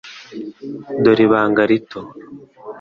Dore ibanga rito .